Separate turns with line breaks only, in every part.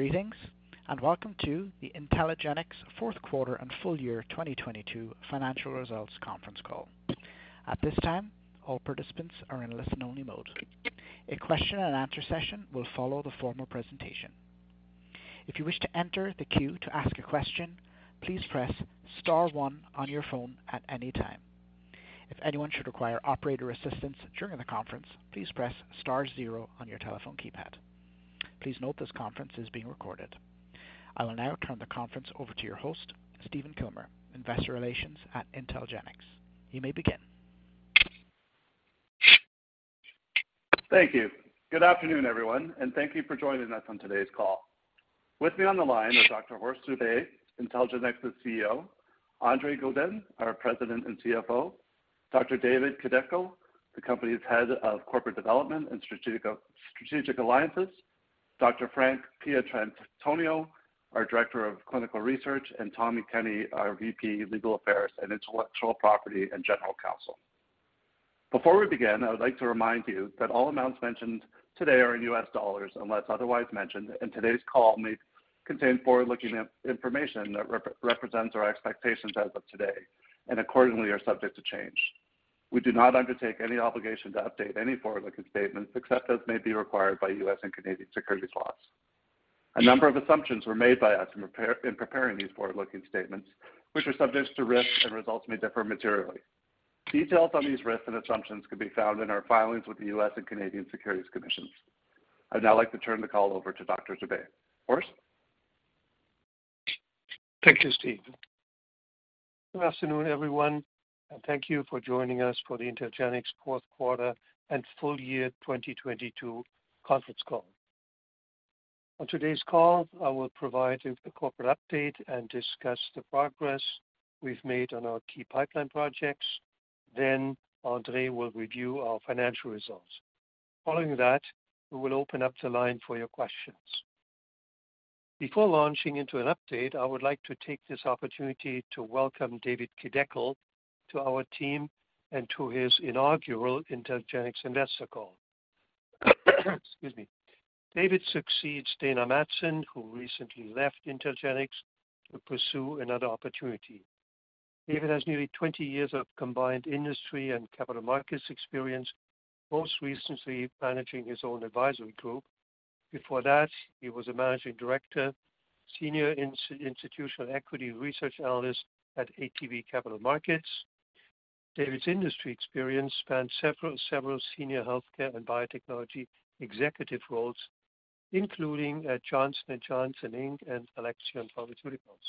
Greetings, and welcome to the IntelGenx fourth quarter and full year 2022 financial results conference call. At this time, all participants are in listen-only mode. A question and answer session will follow the formal presentation. If you wish to enter the queue to ask a question, please press star 1 on your phone at any time. If anyone should require operator assistance during the conference, please press star 0 on your telephone keypad. Please note this conference is being recorded. I will now turn the conference over to your host, Stephen Kilmer, Investor Relations at IntelGenx. You may begin.
Thank you. Good afternoon, everyone, thank you for joining us on today's call. With me on the line is Dr. Horst Zerbe, IntelGenx CEO, Andre Godin, our President and CFO, Dr. David Kideckel, the company's Head of Corporate Development and Strategic Alliances, Dr. Frank Pietrantonio, our Director of Clinical Research, and Tommy Kenny, our VP, Legal Affairs and Intellectual Property, and General Counsel. Before we begin, I would like to remind you that all amounts mentioned today are in U.S. dollars unless otherwise mentioned, today's call may contain forward-looking information that represents our expectations as of today and accordingly are subject to change. We do not undertake any obligation to update any forward-looking statements except as may be required by U.S. and Canadian securities laws. A number of assumptions were made by us in preparing these forward-looking statements, which are subject to risks, and results may differ materially. Details on these risks and assumptions can be found in our filings with the U.S. and Canadian Securities Administrators. I'd now like to turn the call over to Dr. Zerbe. Horst.
Thank you, Steve. Good afternoon, everyone, and thank you for joining us for the IntelGenx fourth quarter and full year 2022 conference call. On today's call, I will provide you with a corporate update and discuss the progress we've made on our key pipeline projects. Andre will review our financial results. Following that, we will open up the line for your questions. Before launching into an update, I would like to take this opportunity to welcome David Kideckel to our team and to his inaugural IntelGenx investor call. Excuse me. David succeeds Dana Matson, who recently left IntelGenx to pursue another opportunity. David has nearly 20 years of combined industry and capital markets experience, most recently managing his own advisory group. Before that, he was a managing director, senior institutional equity research analyst at ATB Capital Markets. David's industry experience spans several senior healthcare and biotechnology executive roles, including at Johnson & Johnson Inc. and Alexion Pharmaceuticals.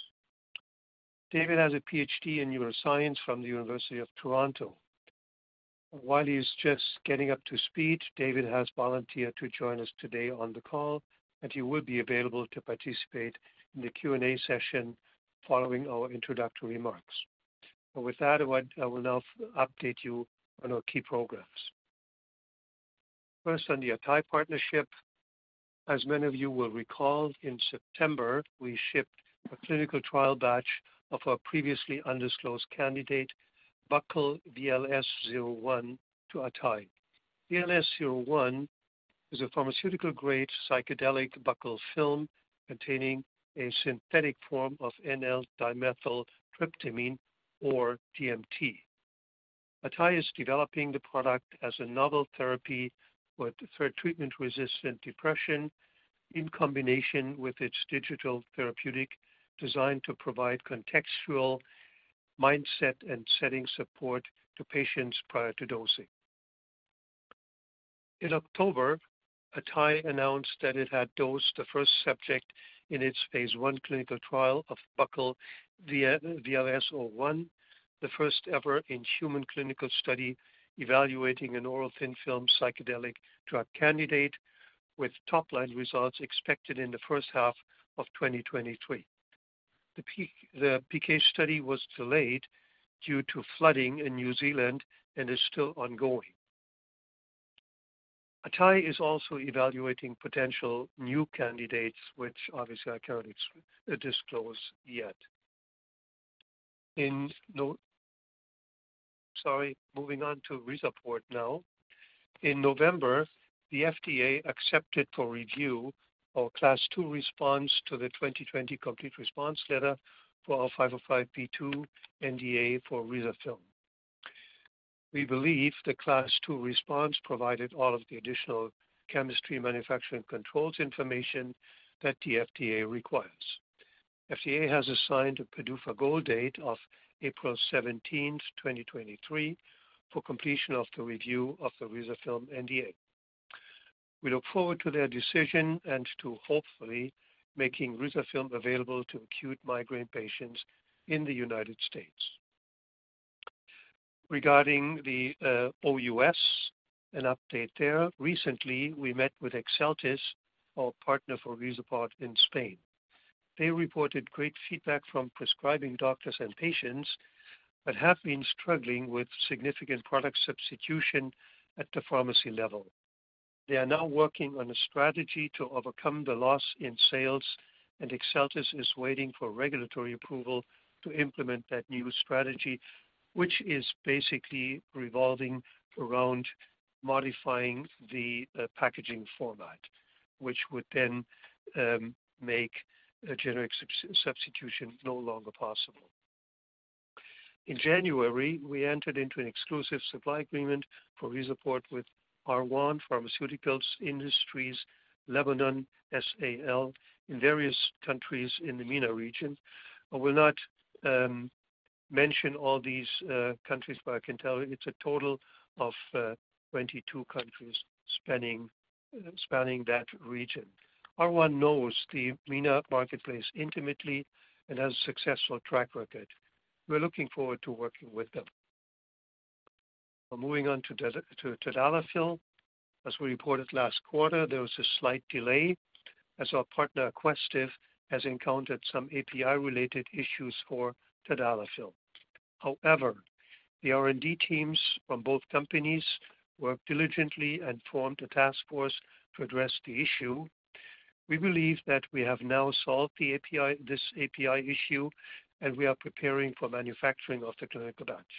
David has a PhD in neuroscience from the University of Toronto. While he's just getting up to speed, David has volunteered to join us today on the call, and he will be available to participate in the Q&A session following our introductory remarks. With that, I will now update you on our key programs. First, on the atai partnership. As many of you will recall, in September, we shipped a clinical trial batch of our previously undisclosed candidate, buccal VLS-01, to atai. VLS-01 is a pharmaceutical-grade psychedelic buccal film containing a synthetic form of N,N-dimethyltryptamine, or DMT. Atai is developing the product as a novel therapy for treatment-resistant depression in combination with its digital therapeutic design to provide contextual mindset and setting support to patients prior to dosing. In October, Atai announced that it had dosed the first subject in its phase 1 clinical trial of buccal VLS-01, the first ever in-human clinical study evaluating an oral thin film psychedelic drug candidate with top-line results expected in the first half of 2023. The PK study was delayed due to flooding in New Zealand and is still ongoing. Atai is also evaluating potential new candidates, which obviously I cannot disclose yet. Sorry. Moving on to RIZAPORT now. In November, the FDA accepted for review our Class 2 response to the 2020 Complete Response Letter for our 505(b)(2) NDA for RIZAFILM. We believe the Class II response provided all of the additional chemistry manufacturing controls information that the FDA requires. FDA has assigned a PDUFA goal date of April 17, 2023, for completion of the review of the RIZAFILM NDA. We look forward to their decision and to hopefully making RIZAFILM available to acute migraine patients in the United States. Regarding the OUS, an update there. Recently, we met with Exeltis, our partner for RIZAPORT in Spain. They reported great feedback from prescribing doctors and patients but have been struggling with significant product substitution at the pharmacy level. They are now working on a strategy to overcome the loss in sales. Exeltis is waiting for regulatory approval to implement that new strategy, which is basically revolving around modifying the packaging format, which would then make a generic substitution no longer possible. In January, we entered into an exclusive supply agreement for RIZAPORT with Arwan Pharmaceutical Industries Lebanon s.a.l. in various countries in the MENA region. I will not mention all these countries, but I can tell you it's a total of 22 countries spanning that region. Arwan knows the MENA marketplace intimately and has a successful track record. We're looking forward to working with them. Moving on to tadalafil. As we reported last quarter, there was a slight delay as our partner, Aquestive, has encountered some API-related issues for tadalafil. The R&D teams from both companies worked diligently and formed a task force to address the issue. We believe that we have now solved this API issue, and we are preparing for manufacturing of the clinical batch.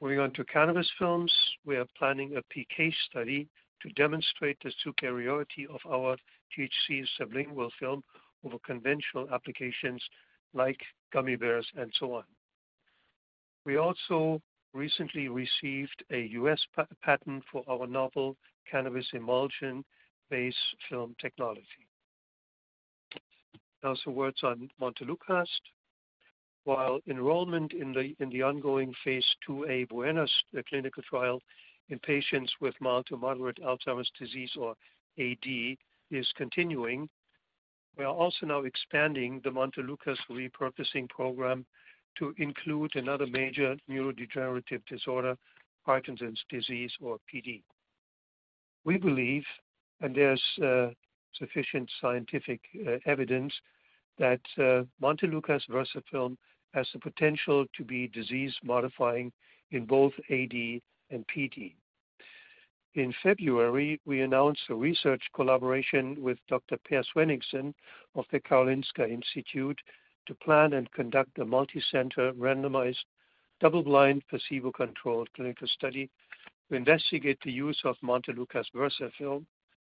Moving on to cannabis films. We are planning a PK study to demonstrate the superiority of our THC sublingual film over conventional applications like gummy bears and so on. We also recently received a U.S. patent for our novel cannabis emulsion base film technology. Some words on montelukast. While enrollment in the ongoing Phase 2A BUENA clinical trial in patients with mild to moderate Alzheimer's disease or AD is continuing, we are also now expanding the montelukast repurposing program to include another major neurodegenerative disorder, Parkinson's disease or PD. We believe, and there's sufficient scientific evidence that montelukast VersaFilm has the potential to be disease modifying in both AD and PD. In February, we announced a research collaboration with Dr. Per Svenningsson of the Karolinska Institutet to plan and conduct a multicenter randomized double-blind placebo-controlled clinical study to investigate the use of montelukast VersaFilm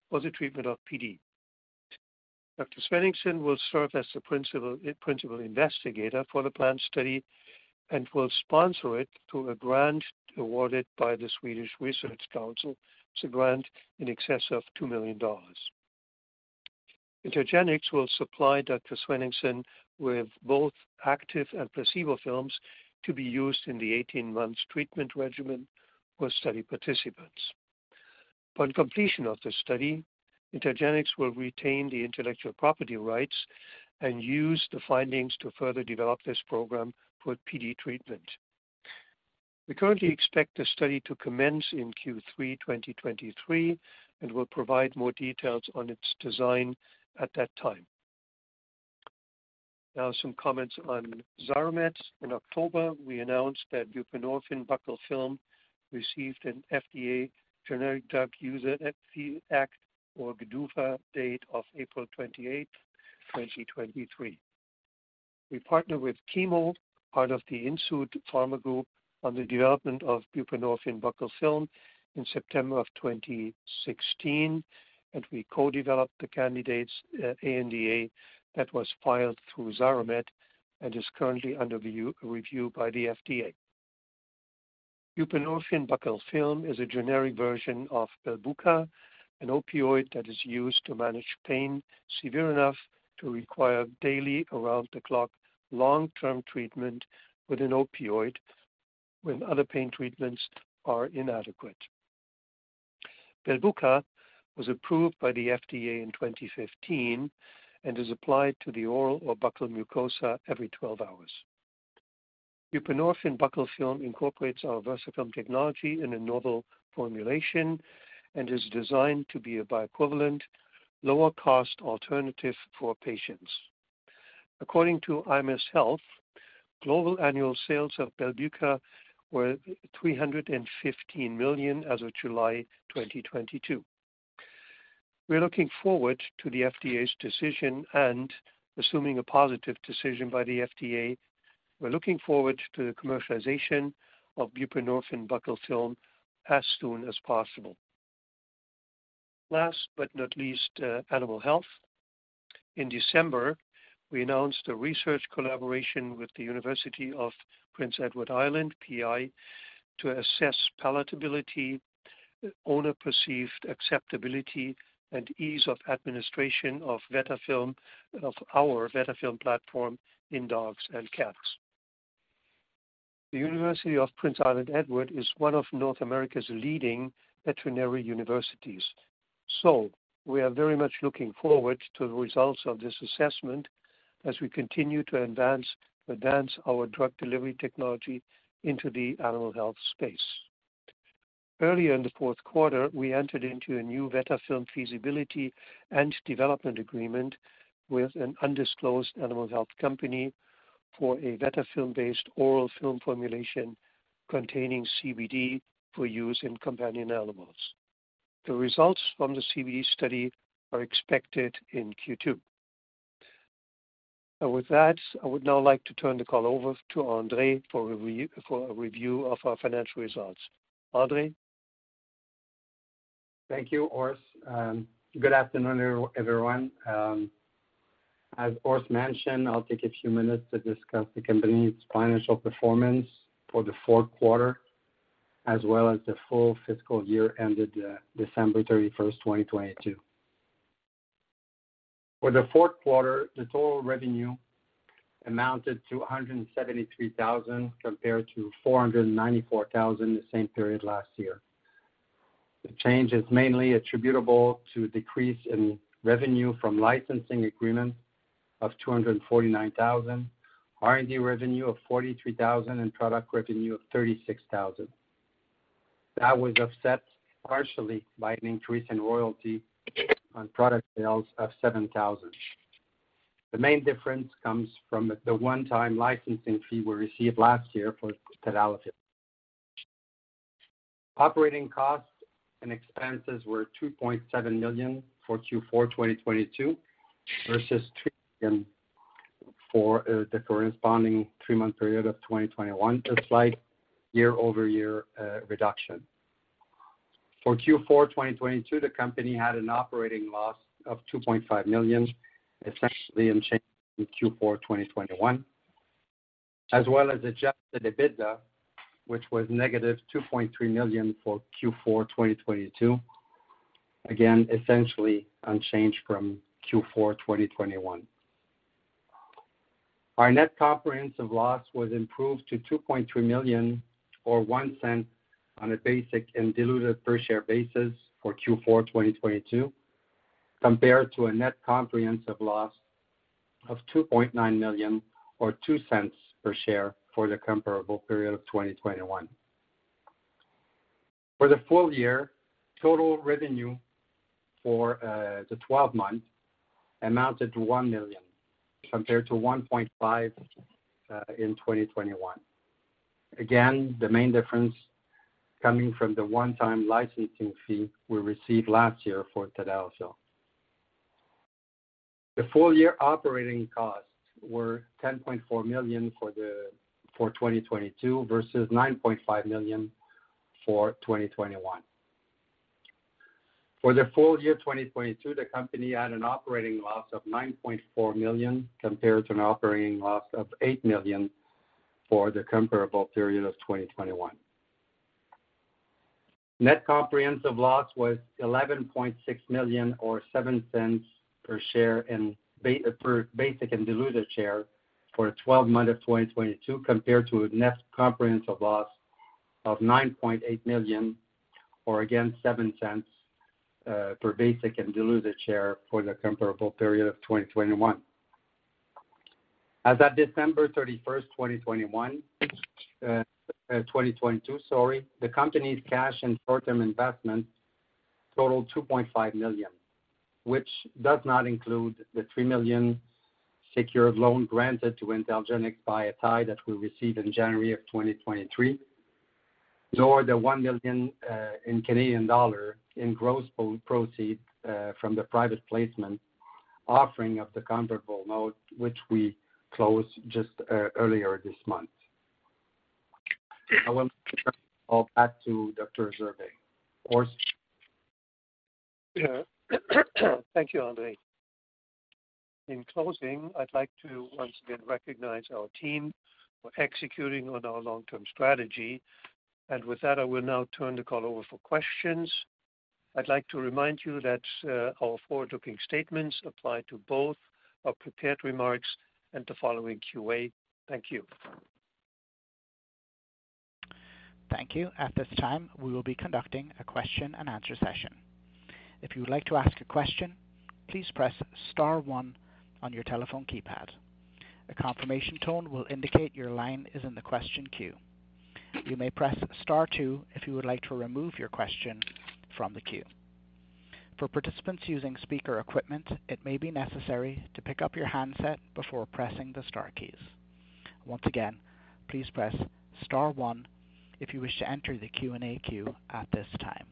for the treatment of PD. Dr. Svenningsson will serve as the principal investigator for the planned study and will sponsor it through a grant awarded by the Swedish Research Council. It's a grant in excess of $2 million. IntelGenx will supply Dr. Svenningsson with both active and placebo films to be used in the 18-months treatment regimen for study participants. Upon completion of the study, IntelGenx will retain the intellectual property rights and use the findings to further develop this program for PD treatment. We currently expect the study to commence in Q3 2023, and we'll provide more details on its design at that time. Some comments on Xaramet. In October, we announced that buprenorphine buccal film received an FDA Generic Drug User Fee Act or GDUFA date of April 28, 2023. We partnered with Chemo, part of the Insud Pharma Group, on the development of buprenorphine buccal film in September of 2016, and we co-developed the candidate's ANDA that was filed through Xaramet and is currently under review by the FDA. Buprenorphine buccal film is a generic version of Belbuca, an opioid that is used to manage pain severe enough to require daily around-the-clock long-term treatment with an opioid when other pain treatments are inadequate. Belbuca was approved by the FDA in 2015 and is applied to the oral or buccal mucosa every 12 hours. Buprenorphine buccal film incorporates our VersaFilm technology in a novel formulation and is designed to be a bioequivalent lower-cost alternative for patients. According to IMS Health, global annual sales of Belbuca were $315 million as of July 2022. We're looking forward to the FDA's decision and, assuming a positive decision by the FDA, we're looking forward to the commercialization of buprenorphine buccal film as soon as possible. Last but not least, animal health. In December, we announced a research collaboration with the University of Prince Edward Island, PEI, to assess palatability, owner-perceived acceptability, and ease of administration of our VetaFilm platform in dogs and cats. The University of Prince Edward Island is one of North America's leading veterinary universities, we are very much looking forward to the results of this assessment as we continue to advance our drug delivery technology into the animal health space. Earlier in the 4th quarter, we entered into a new VetaFilm feasibility and development agreement with an undisclosed animal health company. For a VetaFilm based oral film formulation containing CBD for use in companion animals. The results from the CBD study are expected in Q2. With that, I would now like to turn the call over to Andre for a review of our financial results. Andre.
Thank you, Horst. Good afternoon everyone. As Horst mentioned, I'll take a few minutes to discuss the company's financial performance for the fourth quarter, as well as the full fiscal year ended December 31st, 2022. For the fourth quarter, the total revenue amounted to $173,000 compared to $494,000 the same period last year. The change is mainly attributable to a decrease in revenue from licensing agreement of $249,000, R&D revenue of $43,000, and product revenue of $36,000. That was offset partially by an increase in royalty on product sales of $7,000. The main difference comes from the one-time licensing fee we received last year for tadalafil. Operating costs and expenses were $2.7 million for Q4, 2022 versus $3 million for the corresponding three-month period of 2021. A slight year-over-year reduction. For Q4 2022, the company had an operating loss of $2.5 million, especially in Q4 2021, as well as adjusted EBITDA, which was -$2.3 million for Q4 2022. Essentially unchanged from Q4 2021. Our net comprehensive loss was improved to $2.3 million or $0.01 on a basic and diluted per share basis for Q4 2022, compared to a net comprehensive loss of $2.9 million or $0.02 per share for the comparable period of 2021. For the full year, total revenue for the 12 month amounted to $1 million compared to $1.5 million in 2021. The main difference coming from the one-time licensing fee we received last year for tadalafil. The full year operating costs were $10.4 million for 2022 versus $9.5 million for 2021. For the full year 2022, the company had an operating loss of $9.4 million compared to an operating loss of $8 million for the comparable period of 2021. Net comprehensive loss was $11.6 million or $0.07 per share for basic and diluted share for the 12 months of 2022 compared to a net comprehensive loss of $9.8 million or again $0.07 per basic and diluted share for the comparable period of 2021. As at December 31, 2021, 2022, sorry, the company's cash and short-term investments totaled $2.5 million, which does not include the $3 million secured loan granted to IntelGenx by atai that we received in January 2023, nor the 1 million in Canadian dollar in gross proceeds from the private placement offering of the convertible note, which we closed just earlier this month. I will turn it all back to Dr. Zerbe. Horst.
Yeah. Thank you, Andre. In closing, I'd like to once again recognize our team for executing on our long-term strategy. With that, I will now turn the call over for questions. I'd like to remind you that our forward-looking statements apply to both our prepared remarks and the following QA. Thank you.
Thank you. At this time, we will be conducting a question and answer session. If you would like to ask a question, please press star 1 on your telephone keypad. A confirmation tone will indicate your line is in the question queue. You may press star 2 if you would like to remove your question from the queue. For participants using speaker equipment, it may be necessary to pick up your handset before pressing the star keys. Once again, please press star 1 if you wish to enter the Q&A queue at this time.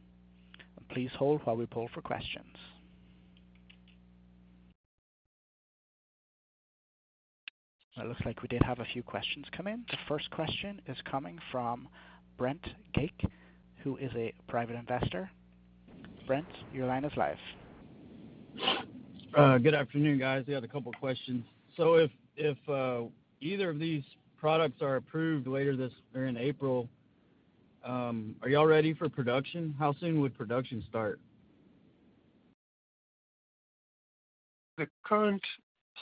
Please hold while we poll for questions. It looks like we did have a few questions come in. The first question is coming from Brent Gake, who is a private investor. Brent, your line is live.
Good afternoon, guys. We had a couple of questions. If either of these products are approved later this or in April, are you all ready for production? How soon would production start?
The current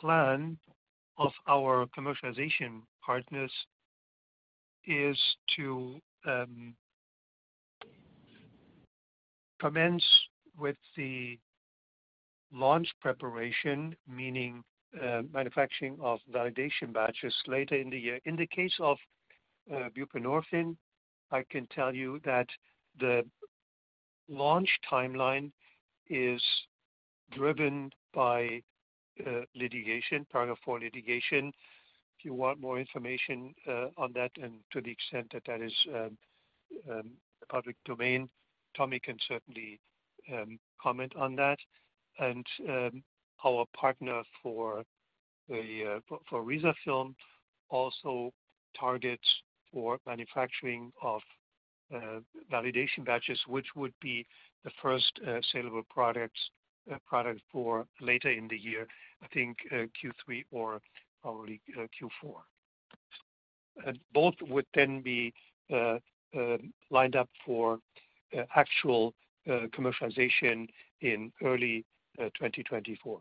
plan of our commercialization partners is to commence with the launch preparation, meaning manufacturing of validation batches later in the year. In the case of buprenorphine, I can tell you that the launch timeline is driven by litigation, Paragraph IV litigation. If you want more information on that and to the extent that that is public domain, Tommy can certainly comment on that. Our partner for the RIZAFILM also targets for manufacturing of validation batches, which would be the first saleable product for later in the year, I think Q3 or probably Q4. Both would then be lined up for actual commercialization in early 2024.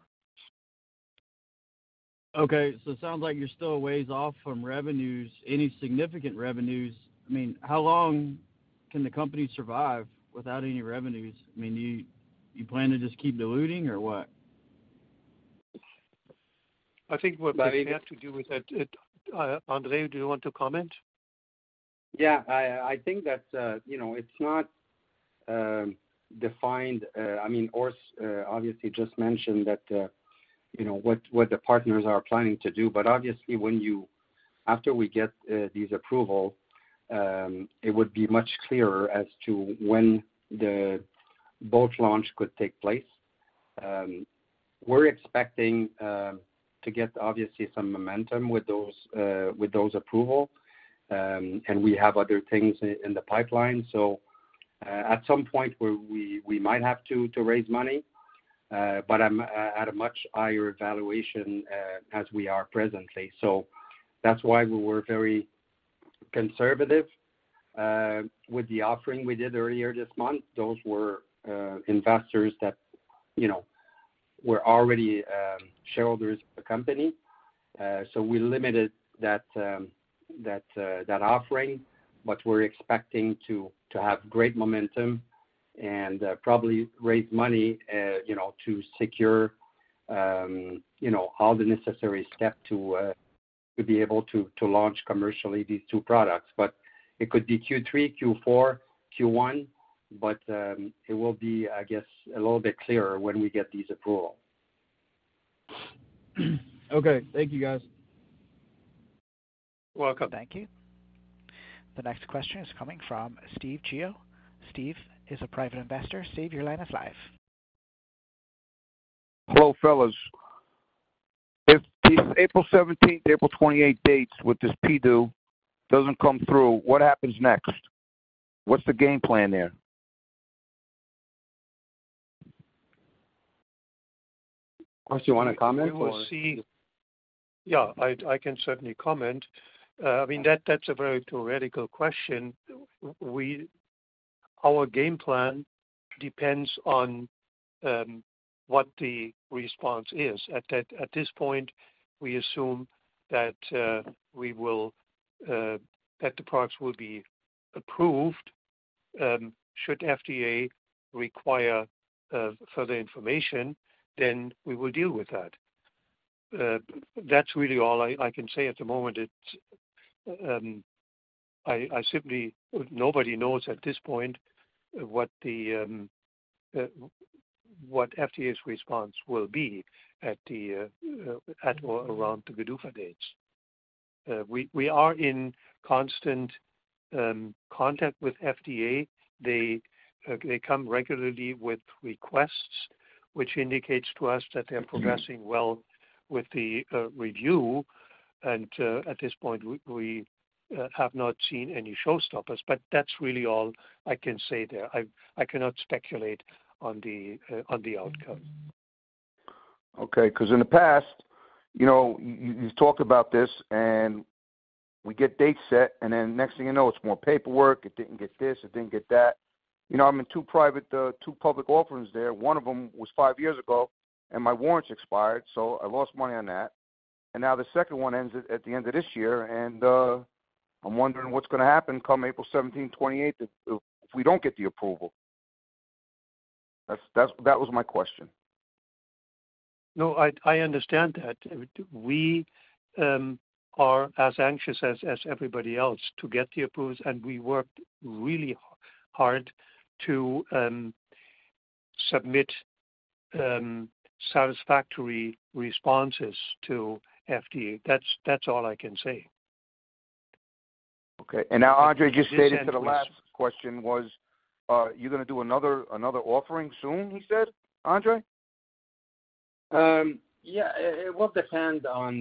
Okay. It sounds like you're still a ways off from revenues, any significant revenues. I mean, how long can the company survive without any revenues? I mean, do you plan to just keep diluting or what?
I think what we have to do with that, Andre, do you want to comment?
I think that, you know, it's not defined. I mean, Horst obviously just mentioned that, you know, what the partners are planning to do, but obviously after we get these approval, it would be much clearer as to when the both launch could take place. We're expecting to get obviously some momentum with those, with those approval. We have other things in the pipeline. At some point we might have to raise money, but at a much higher valuation as we are presently. That's why we were very conservative with the offering we did earlier this month. Those were investors that, you know, were already shareholders of the company. We limited that offering. We're expecting to have great momentum and probably raise money, you know, to secure, you know, all the necessary step to be able to launch commercially these two products. It could be Q3, Q4, Q1, but it will be, I guess, a little bit clearer when we get these approval.
Okay. Thank you, guys.
Welcome.
Thank you. The next question is coming from Steve Gio. Steve is a private investor. Steve, your line is live.
Hello, fellas. If these April 17th, April 28th dates with this PDUFA doesn't come through, what happens next? What's the game plan there?
Horst, you wanna comment or?
We will see. I can certainly comment. I mean, that's a very theoretical question. Our game plan depends on what the response is. At this point, we assume that we will that the products will be approved. Should FDA require further information, we will deal with that. That's really all I can say at the moment. It's. Nobody knows at this point what the what FDA's response will be at the at or around the PDUFA dates. We, we are in constant contact with FDA. They, they come regularly with requests, which indicates to us that they're progressing well with the review. At this point, we have not seen any showstoppers, that's really all I can say there. I cannot speculate on the outcome.
Okay. 'Cause in the past, you know, you talked about this then next thing you know, it's more paperwork. It didn't get this, it didn't get that. You know, I'm in two private, two public offerings there. One of them was five years ago, and my warrants expired, so I lost money on that. Now the second one ends at the end of this year. I'm wondering what's gonna happen come April 17, 2028 if we don't get the approval. That's That was my question.
I understand that. We are as anxious as everybody else to get the approvals, and we worked really hard to submit satisfactory responses to FDA. That's all I can say.
Okay. Now Andre just stated to the last question was, you're gonna do another offering soon, he said. Andre?
Yeah, it will depend on,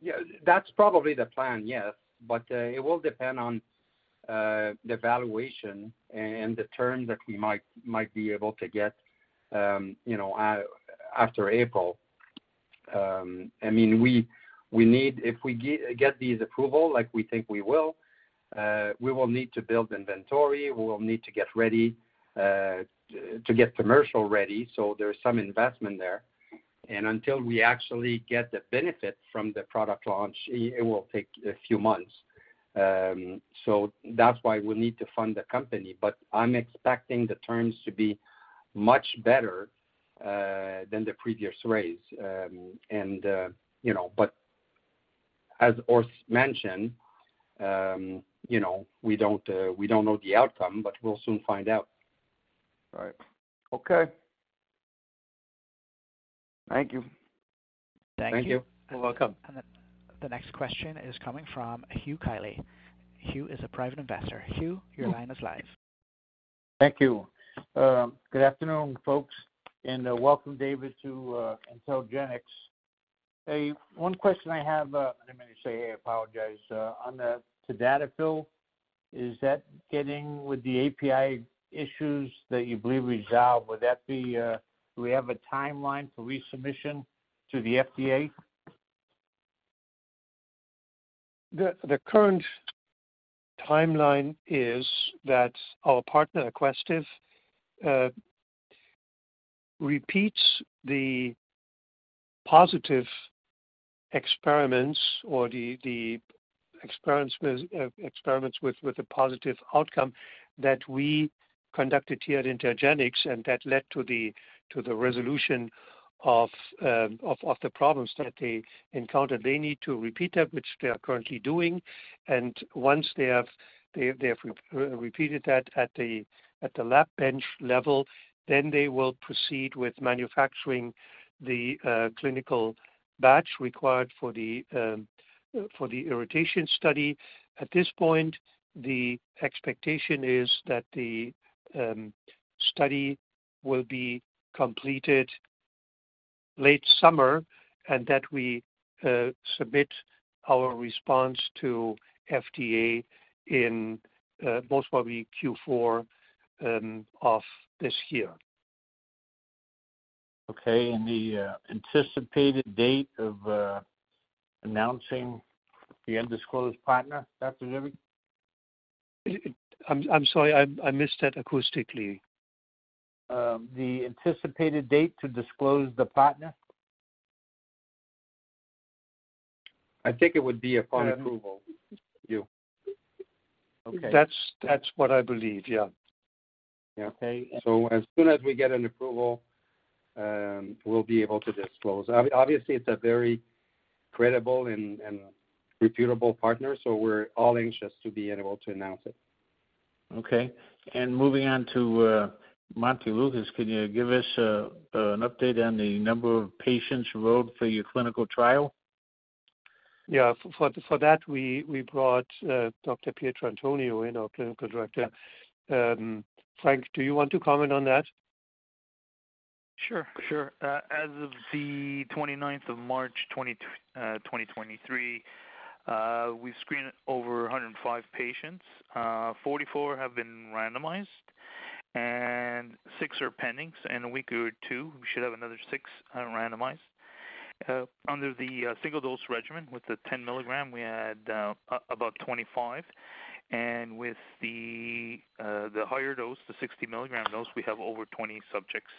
yeah, that's probably the plan, yes. It will depend on the valuation and the terms that we might be able to get, you know, after April. I mean, we need If we get these approval like we think we will, we will need to build inventory. We will need to get ready to get commercial ready. There's some investment there. Until we actually get the benefit from the product launch, it will take a few months. That's why we need to fund the company. I'm expecting the terms to be much better than the previous raise. You know, but as Horst mentioned, you know, we don't know the outcome, we'll soon find out.
Right. Okay. Thank you.
Thank you.
Thank you.
You're welcome.
The next question is coming from Hugh Kelly. Hugh is a private investor. Hugh, your line is live.
Thank you. Good afternoon, folks, and welcome David to IntelGenx. One question I have, let me say, I apologize. On the tadalafil, is that getting with the API issues that you believe resolved, would that be, do we have a timeline for resubmission to the FDA?
The current timeline is that our partner, Aquestive repeats the positive experiments or the experiments with a positive outcome that we conducted here at IntelGenx, and that led to the resolution of the problems that they encountered. They need to repeat that, which they are currently doing. Once they have re-repeated that at the lab bench level, then they will proceed with manufacturing the clinical batch required for the irritation study. At this point, the expectation is that the study will be completed late summer and that we submit our response to FDA in most probably Q4 of this year.
Okay. The anticipated date of announcing the undisclosed partner, Dr. Zerbe?
I'm sorry. I missed that acoustically.
The anticipated date to disclose the partner.
I think it would be upon approval, Hugh.
Okay.
That's what I believe. Yeah.
Yeah.
Okay.
As soon as we get an approval, we'll be able to disclose. Obviously, it's a very credible and reputable partner, so we're all anxious to be able to announce it.
Okay. Moving on to montelukast, can you give us an update on the number of patients enrolled for your clinical trial?
For that, we brought Dr. Pietrantonio in, our Clinical Director. Frank, do you want to comment on that?
Sure. Sure. As of the 29th of March 2023, we screened over 105 patients. 44 have been randomized and six are pending. In a week or two, we should have another six randomized. Under the single-dose regimen with the 10 milligram, we had about 25. With the higher dose, the 60 milligram dose, we have over 20 subjects.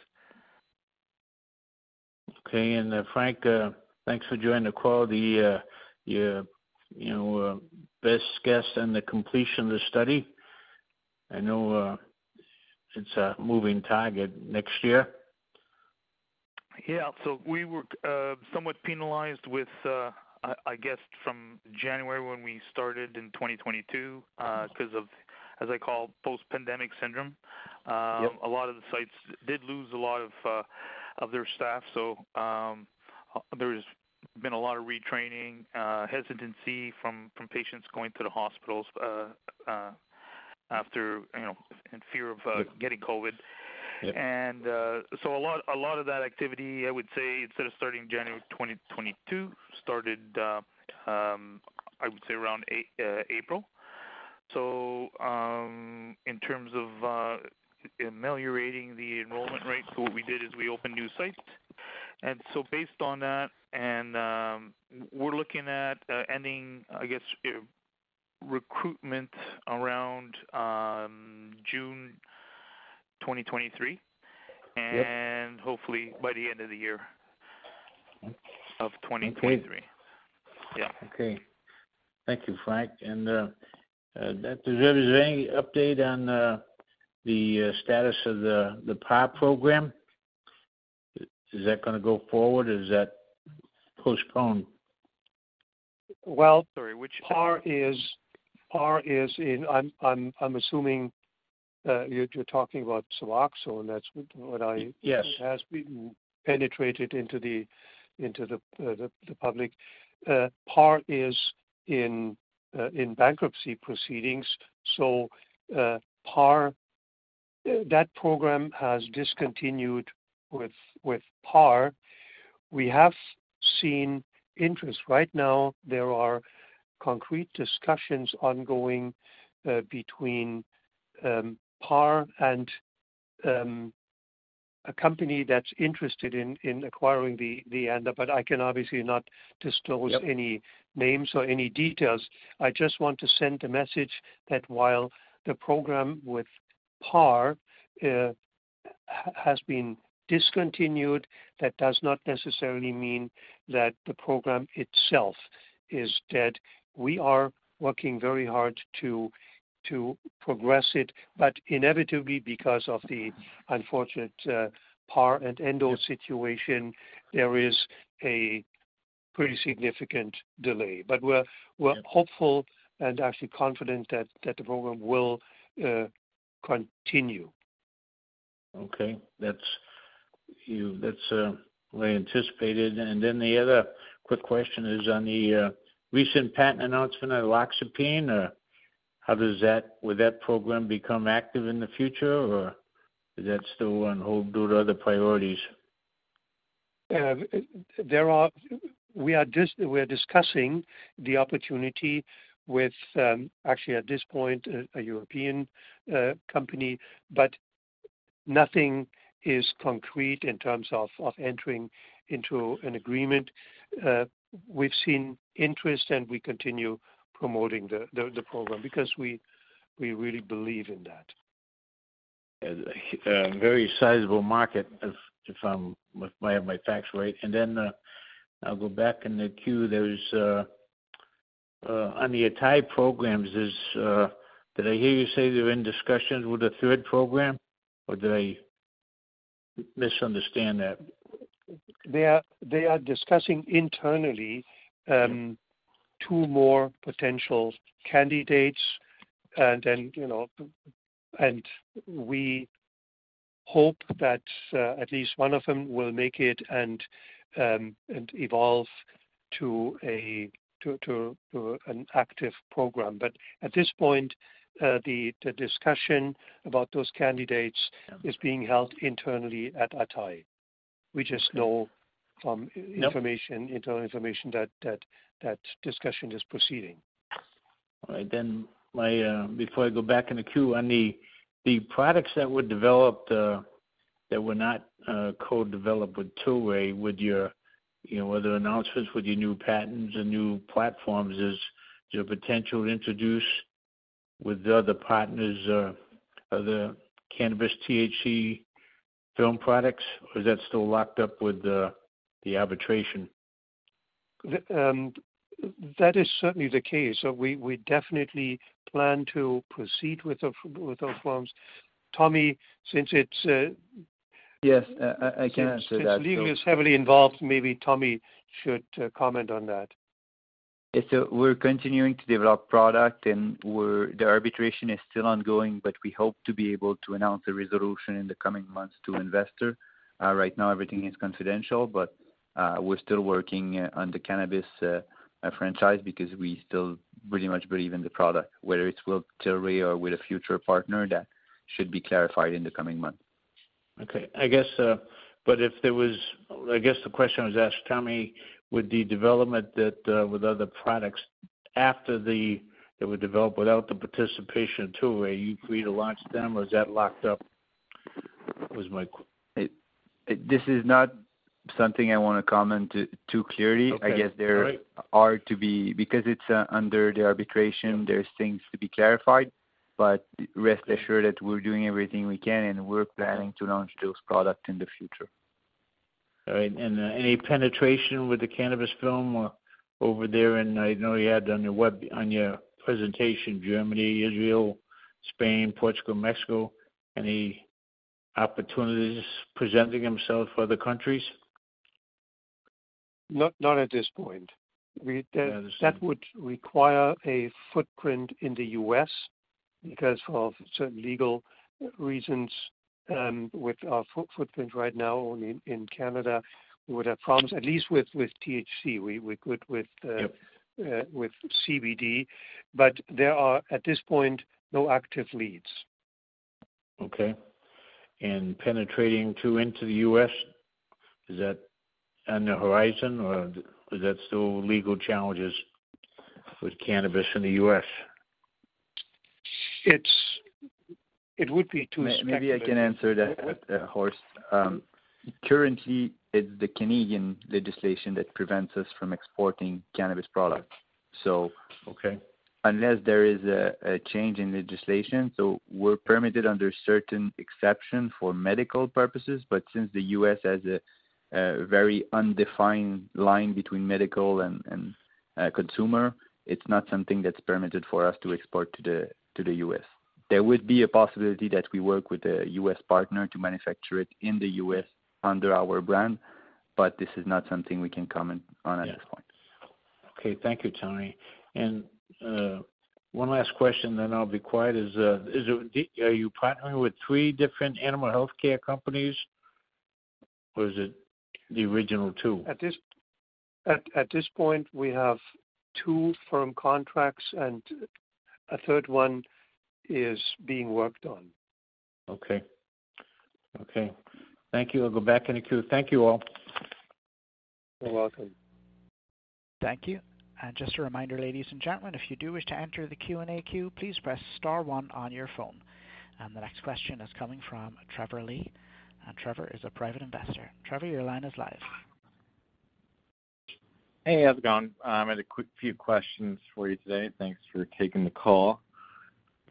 Okay. Frank, thanks for joining the call. The, you know, best guess on the completion of the study. I know, it's a moving target. Next year?
Yeah. We were, somewhat penalized with, I guess from January when we started in 2022, 'cause of, as I call, post-pandemic syndrome.
Yep...
A lot of the sites did lose a lot of their staff. There's been a lot of retraining, hesitancy from patients going to the hospitals after, you know, in fear of getting COVID.
Yeah.
A lot of that activity, I would say, instead of starting January 2022, started, I would say around April. In terms of ameliorating the enrollment rates, what we did is we opened new sites. Based on that and, we're looking at ending, I guess, recruitment around June 2023.
Yep.
hopefully by the end of the year.
Okay
of 2023.
Okay.
Yeah.
Okay. Thank you, Frank. Dr. Zerbe, is there any update on the status of the Par program? Is that gonna go forward? Is that postponed?
Well-
Sorry.
Par is in... I'm assuming, you're talking about Suboxone. That's what I.
Yes...
It has been penetrated into the public. Par is in bankruptcy proceedings. That program has discontinued with Par. We have seen interest. Right now, there are concrete discussions ongoing between Par and a company that's interested in acquiring the ANDA, but I can obviously not disclose.
Yep...
Any names or any details. I just want to send a message that while the program with Par has been discontinued, that does not necessarily mean that the program itself is dead. We are working very hard to progress it. Inevitably, because of the unfortunate, Par and Endo situation, there is a pretty significant delay. We're hopeful and actually confident that the program will continue.
Okay. That's really anticipated. The other quick question is on the recent patent announcement on loxapine. Will that program become active in the future, or is that still on hold due to other priorities?
We're discussing the opportunity with, actually, at this point, a European company, but nothing is concrete in terms of entering into an agreement. We've seen interest, and we continue promoting the program because we really believe in that.
A very sizable market if I'm, if I have my facts right. Then I'll go back in the queue. There's on the ATAI programs, is did I hear you say they're in discussions with a third program, or did I misunderstand that?
They are discussing internally, two more potential candidates. You know, we hope that, at least one of them will make it and evolve to an active program. At this point, the discussion about those candidates.
Yeah.
Is being held internally at ATAI. We just know from-
Yep.
-Information, internal information that discussion is proceeding.
All right. My, before I go back in the queue, on the products that were developed, that were not co-developed with Tilray, would your, you know, were there announcements with your new patents and new platforms? Is there potential to introduce with the other partners, other cannabis THC film products, or is that still locked up with the arbitration?
That is certainly the case. We definitely plan to proceed with those films. Tommy, since it's.
Yes. I can answer that.
Since legal is heavily involved, maybe Tommy should comment on that.
Yes. We're continuing to develop product, and the arbitration is still ongoing, but we hope to be able to announce a resolution in the coming months to investor. Right now everything is confidential, but we're still working on the cannabis franchise because we still very much believe in the product. Whether it's with Tilray or with a future partner, that should be clarified in the coming months.
Okay. I guess, but if there was I guess the question I was asked, Tommy, would the development that with other products after the that were developed without the participation of Tilray, are you free to launch them, or is that locked up?
This is not something I wanna comment too clearly.
Okay. All right.
Because it's under the arbitration, there's things to be clarified. Rest assured that we're doing everything we can, and we're planning to launch those products in the future.
All right. Any penetration with the cannabis film or over there in, I know you had on your web, on your presentation, Germany, Israel, Spain, Portugal, Mexico. Any opportunities presenting themselves for other countries?
Not at this point.
Understood.
That would require a footprint in the U.S. because of certain legal reasons, with our footprint right now only in Canada. We would have problems, at least with THC. We're good with.
Yep.
With CBD. There are, at this point, no active leads.
Okay. Penetrating too into the U.S., is that on the horizon, or is that still legal challenges with cannabis in the U.S.?
It would be too speculative...
Maybe I can answer that, Horst. Currently, it's the Canadian legislation that prevents us from exporting cannabis products.
Okay.
Unless there is a change in legislation. We're permitted under certain exception for medical purposes. Since the U.S. has a very undefined line between medical and consumer, it's not something that's permitted for us to export to the U.S. There would be a possibility that we work with a U.S. partner to manufacture it in the U.S. under our brand. This is not something we can comment on at this point.
Yeah. Okay. Thank you, Tommy. One last question, then I'll be quiet. Are you partnering with three different animal healthcare companies, or is it the original two?
At this point, we have 2 firm contracts, and a third one is being worked on.
Okay. Okay. Thank you. I'll go back in the queue. Thank you, all.
You're welcome.
Thank you. Just a reminder, ladies and gentlemen, if you do wish to enter the Q&A queue, please press star one on your phone. The next question is coming from Trevor Lee. Trevor is a private investor. Trevor, your line is live.
Hey, how's it going? I had a quick few questions for you today. Thanks for taking the call.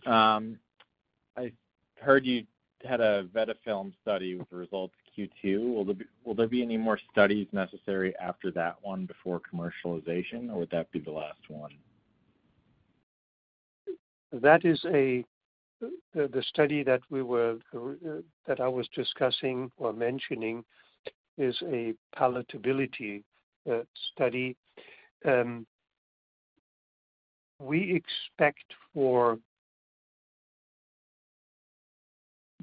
I heard you had a VetaFilm study with results Q2. Will there be any more studies necessary after that one before commercialization, or would that be the last one?
That is the study that we were that I was discussing or mentioning is a palatability study. We expect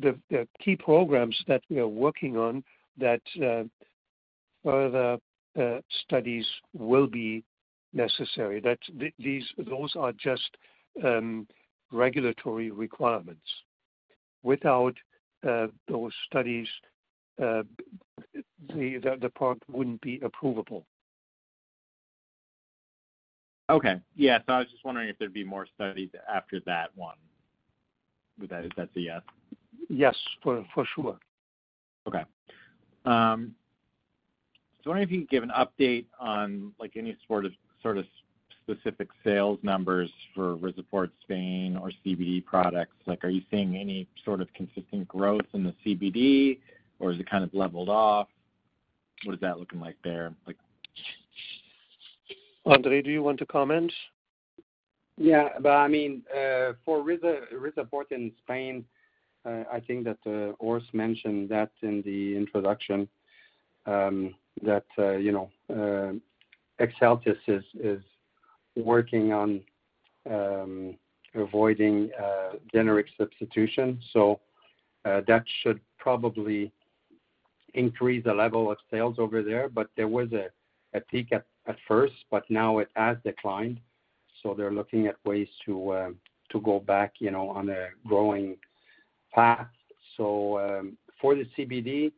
for the key programs that we are working on that further studies will be necessary. Those are just regulatory requirements. Without those studies the product wouldn't be approvable.
Okay. Yeah. I was just wondering if there'd be more studies after that one. That is, that's a yes?
Yes. For sure.
I wonder if you can give an update on like any sort of specific sales numbers for RIZAPORT Spain or CBD products. Are you seeing any sort of consistent growth in the CBD, or is it kind of leveled off? What is that looking like there?
Andre, do you want to comment?
I mean, for RIZAPORT in Spain, I think that Horst mentioned that in the introduction, that Exeltis is working on avoiding generic substitution. That should probably increase the level of sales over there. There was a peak at first, but now it has declined, so they're looking at ways to go back on a growing path. For the CBD,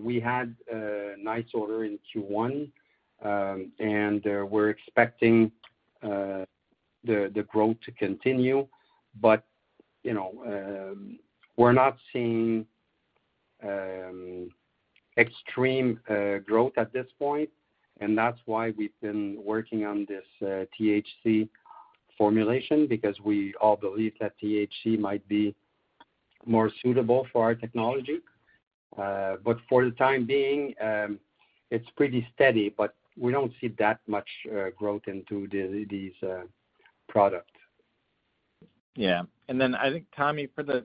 we had a nice order in Q1, and we're expecting the growth to continue. We're not seeing extreme growth at this point, and that's why we've been working on this THC formulation because we all believe that THC might be more suitable for our technology. For the time being, it's pretty steady, but we don't see that much growth into the, these, product.
Yeah. Then I think, Tommy, for the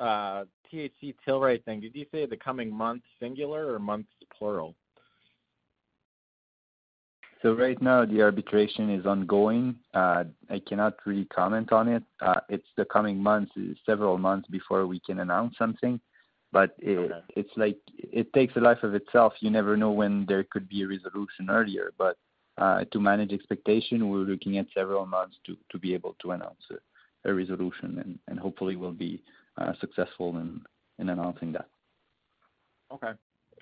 THC Tilray thing, did you say the coming month singular or months plural?
Right now the arbitration is ongoing. I cannot really comment on it. It's the coming months, several months before we can announce something.
Okay.
It's like it takes a life of itself. You never know when there could be a resolution earlier. To manage expectation, we're looking at several months to be able to announce a resolution and hopefully we'll be successful in announcing that.
Okay.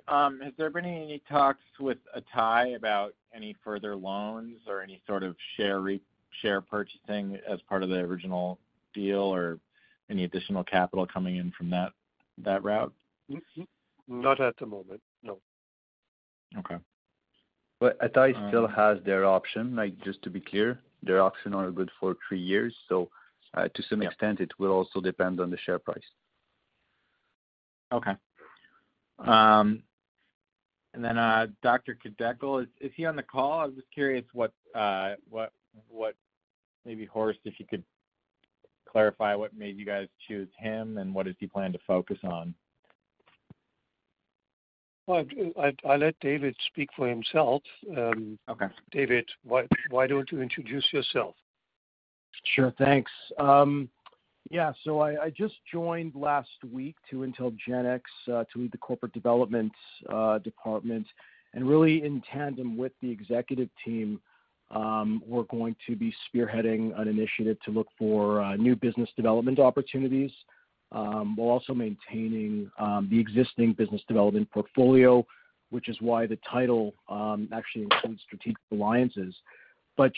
Has there been any talks with atai about any further loans or any sort of share purchasing as part of the original deal or any additional capital coming in from that route?
Not at the moment, no.
Okay.
Atai still has their option, like just to be clear. Their option are good for three years. Yeah. To some extent it will also depend on the share price.
Okay. Dr. David Kideckel, is he on the call? I was just curious what maybe Horst, if you could clarify what made you guys choose him, and what does he plan to focus on?
I let David speak for himself.
Okay.
David, why don't you introduce yourself?
Sure. Thanks. Yeah. I just joined last week to IntelGenx to lead the corporate development department. Really in tandem with the executive team, we're going to be spearheading an initiative to look for new business development opportunities while also maintaining the existing business development portfolio, which is why the title actually includes strategic alliances.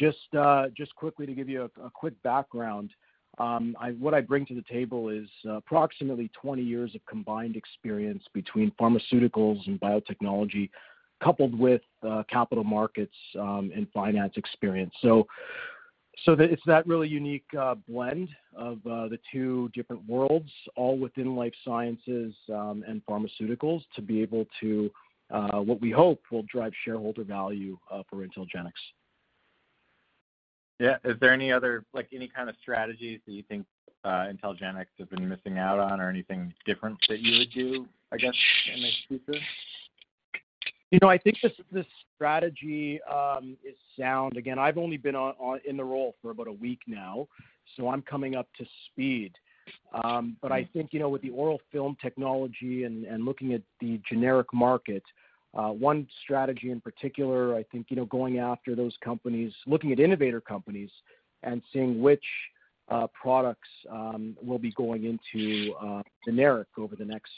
Just quickly to give you a quick background, what I bring to the table is approximately 20 years of combined experience between pharmaceuticals and biotechnology, coupled with capital markets and finance experience. It's that really unique blend of the two different worlds all within life sciences and pharmaceuticals to be able to what we hope will drive shareholder value for IntelGenx.
Yeah. Is there any other... like, any kind of strategies that you think, IntelGenx has been missing out on or anything different that you would do, I guess in the future?
You know, I think the strategy is sound. Again, I've only been in the role for about a week now, so I'm coming up to speed. But I think, you know, with the oral film technology and looking at the generic market, one strategy in particular, I think, you know, going after those companies, looking at innovator companies and seeing which products will be going into generic over the next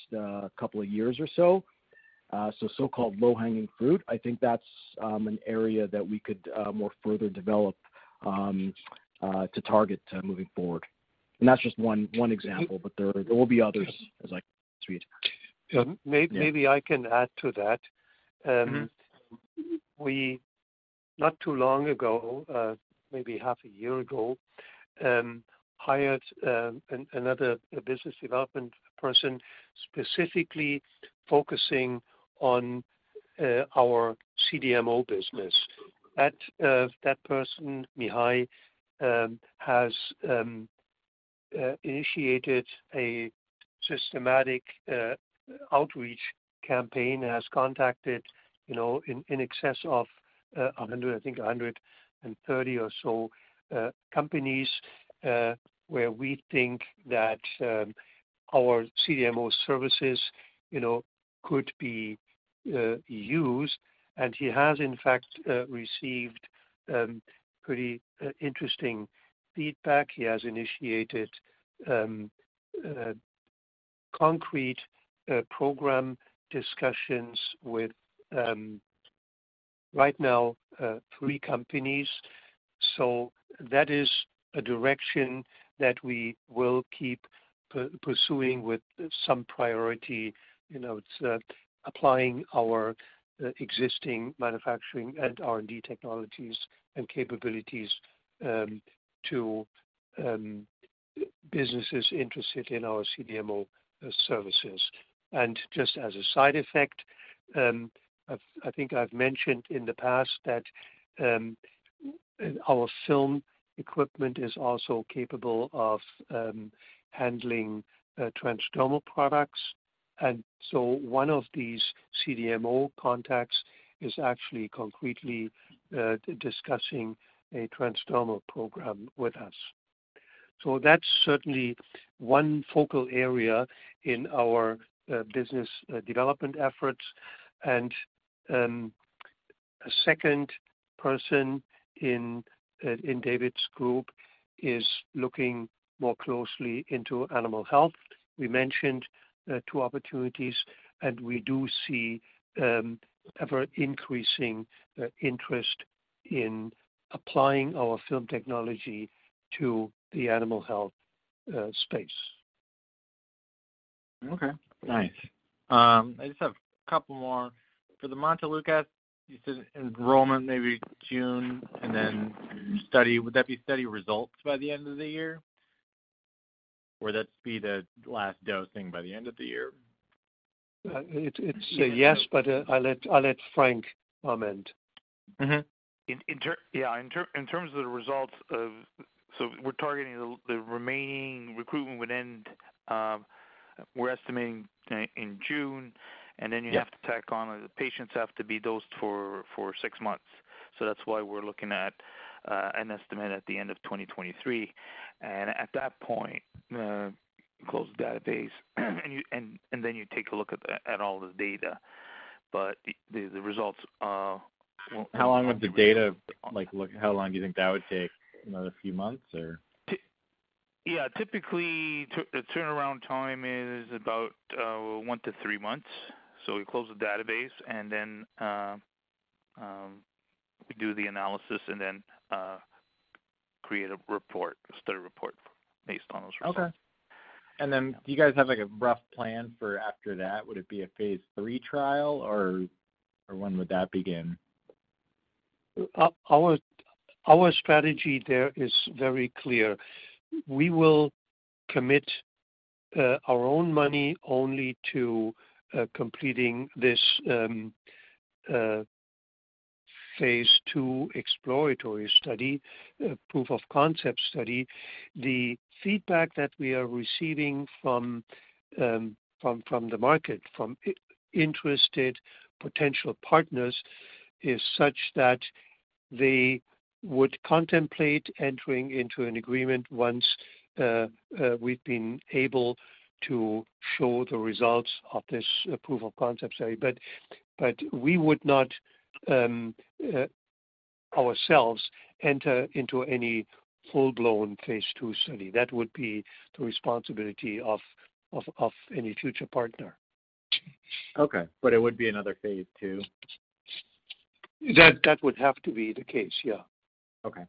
couple of years or so-called low-hanging fruit. I think that's an area that we could more further develop to target moving forward. That's just one example, but there will be others as I...
Maybe-
Yeah.
I can add to that.
Mm-hmm.
We, not too long ago, maybe half a year ago, hired another business development person specifically focusing on our CDMO business. That person, Mihai, has initiated a systematic outreach campaign, has contacted, you know, in excess of 100, I think, 130 or so companies, where we think that our CDMO services, you know, could be used. He has, in fact, received pretty interesting feedback. He has initiated concrete program discussions with right now three companies. That is a direction that we will keep pursuing with some priority. You know, it's applying our existing manufacturing and R&D technologies and capabilities to businesses interested in our CDMO services. Just as a side effect, I've, I think I've mentioned in the past that our film equipment is also capable of handling transdermal products. One of these CDMO contacts is actually concretely discussing a transdermal program with us. That's certainly one focal area in our business development efforts. A second person in David's group is looking more closely into animal health. We mentioned two opportunities, and we do see ever-increasing interest in applying our film technology to the animal health space.
Okay. Nice. I just have a couple more. For the Montelukast, you said enrollment may be June. Would that be study results by the end of the year? Or that's be the last dosing by the end of the year?
It's a yes, but, I'll let Frank comment.
Mm-hmm.
Yeah, in terms of the results of. We're targeting the remaining recruitment would end, we're estimating in June. Yeah. You have to tack on, the patients have to be dosed for 6 months. We're looking at an estimate at the end of 2023. At that point, close the database, and then you take a look at all the data. The results are.
How long would the data, like, how long do you think that would take? Another few months, or?
Yeah. Typically, the turnaround time is about, one month to three months. We close the database and then, we do the analysis and then, create a report, a study report based on those results.
Okay. Do you guys have, like, a rough plan for after that? Would it be a phase three trial, or when would that begin?
Our strategy there is very clear. We will commit our own money only to completing this phase two exploratory study, proof of concept study. The feedback that we are receiving from the market, from interested potential partners, is such that they would contemplate entering into an agreement once we've been able to show the results of this proof of concept study. We would not ourselves enter into any full-blown phase two study. That would be the responsibility of any future partner.
Okay. It would be another phase two?
That would have to be the case, yeah.
Okay.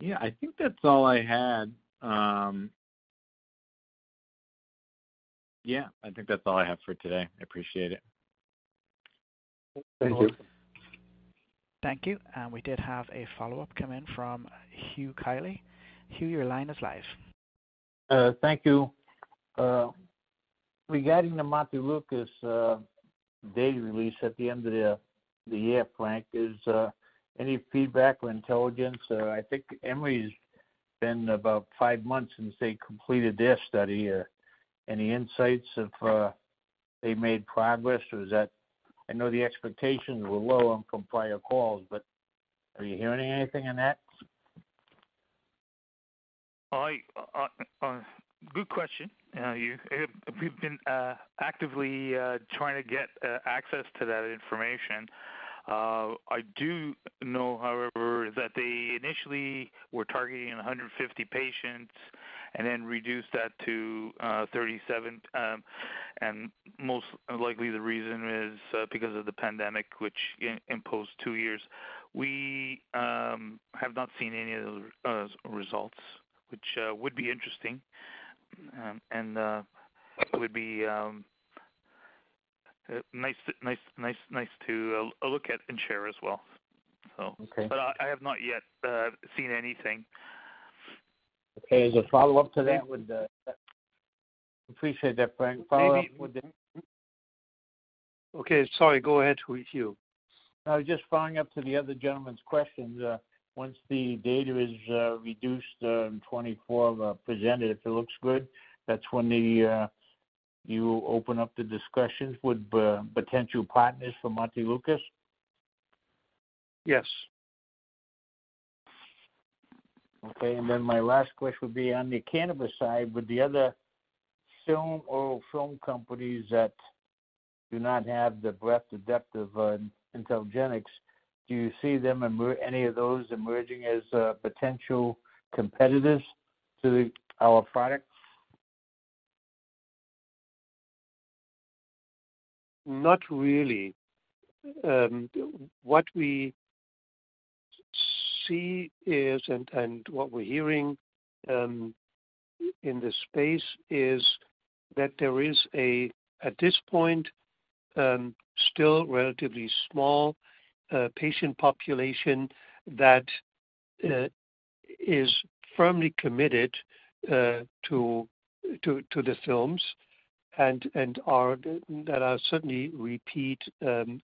Yeah, I think that's all I had. Yeah, I think that's all I have for today. I appreciate it.
Thank you.
Thank you.
Thank you. We did have a follow-up come in from Hugh Kelly. Hugh, your line is live.
Thank you. Regarding the Montelukast data release at the end of the year, Frank, is any feedback or intelligence? I think Emery's been about five months since they completed their study. Any insights if they made progress or is that... I know the expectations were low on complier calls, but are you hearing anything on that?
I, good question, Hugh. We've been actively trying to get access to that information. I do know, however, that they initially were targeting 150 patients and then reduced that to 37. Most likely the reason is because of the pandemic, which imposed two years. We have not seen any of those results, which would be interesting, and would be. Nice to look at and share as well.
Okay.
I have not yet seen anything.
Okay. As a follow-up to that would. Appreciate that, Frank. Follow-up with.
Okay. Sorry. Go ahead, Hugh.
I was just following up to the other gentleman's questions. Once the data is reduced in 2024, presented, if it looks good, that's when you open up the discussions with potential partners for Montelukast?
Yes.
Okay. My last question would be on the cannabis side with the other oral film companies that do not have the breadth and depth of IntelGenx, do you see them any of those emerging as potential competitors to our products?
Not really. What we see is, and what we're hearing, in this space is that there is a at this point still relatively small patient population that is firmly committed to the films and that are certainly repeat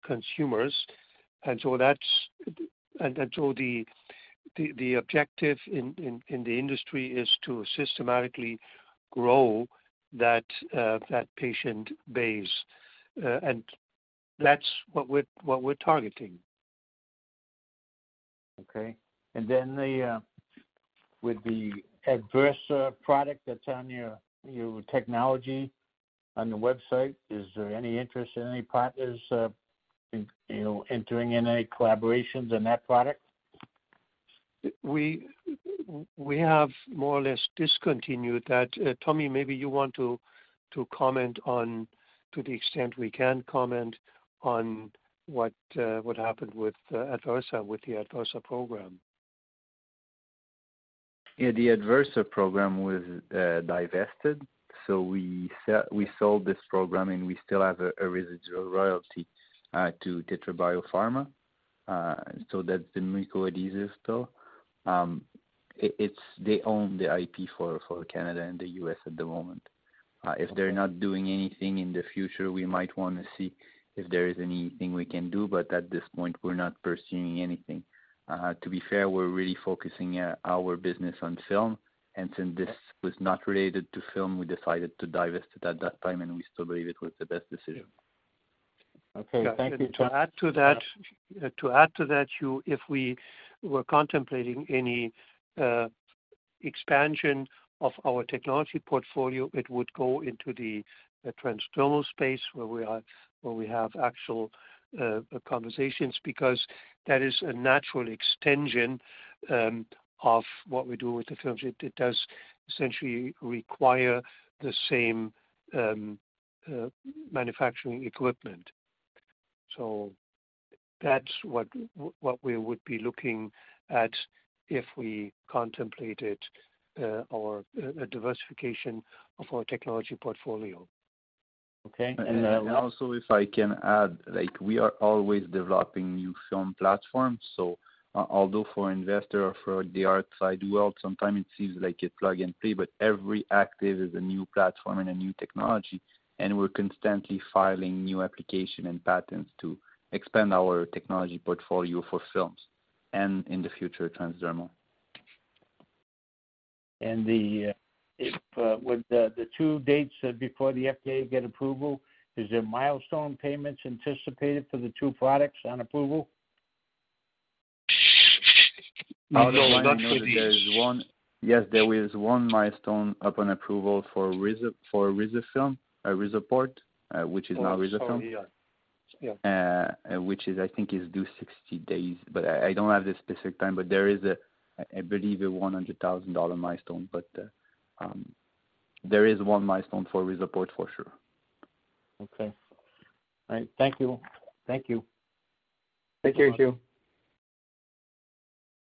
consumers. So the objective in the industry is to systematically grow that patient base. That's what we're targeting.
Okay. Then the, with the AdVersa product that's on your technology on the website, is there any interest in any partners, you know, entering in any collaborations in that product?
We have more or less discontinued that. Tommy, maybe you want to comment on, to the extent we can comment, on what happened with AdVersa, with the AdVersa program.
Yeah. The AdVersa program was divested. We sold this program, and we still have a residual royalty to Tetra Bio-Pharma. That's the mucoadhesive pill. They own the IP for Canada and the U.S. at the moment.
Okay.
If they're not doing anything in the future, we might wanna see if there is anything we can do, but at this point we're not pursuing anything. To be fair, we're really focusing our business on film. Since this was not related to film, we decided to divest it at that time, and we still believe it was the best decision.
Okay. Thank you. Tom-
Yeah. To add to that, to add to that, Hugh, if we were contemplating any expansion of our technology portfolio, it would go into the transdermal space where we have actual conversations, because that is a natural extension of what we do with the films. It does essentially require the same manufacturing equipment. That's what we would be looking at if we contemplated or a diversification of our technology portfolio.
Okay. And,
Also if I can add, like, we are always developing new film platforms. Although for investor or for the outside world, sometime it seems like it's plug and play, but every active is a new platform and a new technology, and we're constantly filing new application and patents to expand our technology portfolio for films and in the future, transdermal.
The, if, with the 2 dates before the FDA get approval, is there milestone payments anticipated for the 2 products on approval?
No. Not for these.
I wouldn't know that there is one. Yes, there is one milestone upon approval for RIZA, for RIZAFILM, RIZAPORT, which is now RIZAFILM.
Oh, sorry. Yeah. Yeah.
Which is I think is due 60 days, but I don't have the specific time, but there is, I believe a $100,000 milestone. There is one milestone for RIZAPORT for sure.
Okay. All right. Thank you. Thank you.
Take care, Hugh.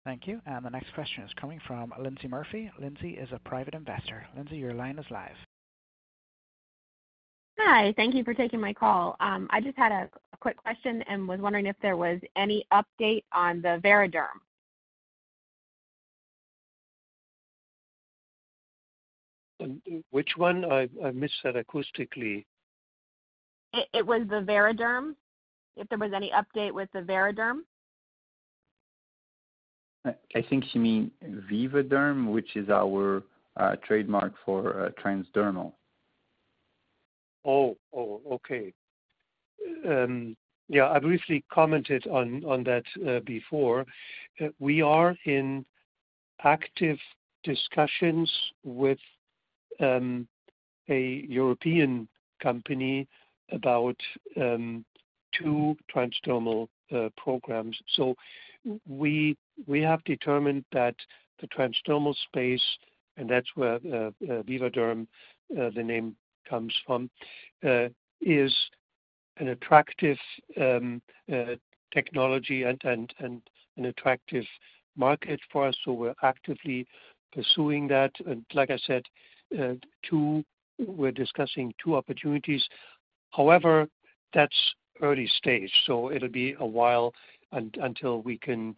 Thank you.
Thank you. The next question is coming from Lindsey Murphy. Lindsey is a private investor. Lindsey, your line is live.
Hi. Thank you for taking my call. I just had a quick question and was wondering if there was any update on the Vivaderm.
Which one? I missed that acoustically.
It was the VivaDerm. If there was any update with the VivaDerm?
I think she mean VivaDerm, which is our trademark for transdermal.
Okay. Yeah, I briefly commented on that before. We are in active discussions with a European company about two transdermal programs. We have determined that the transdermal space, and that's where VivaDerm, the name comes from, is an attractive technology and an attractive market for us, so we're actively pursuing that. Like I said, two. We're discussing two opportunities. That's early stage, so it'll be a while until we can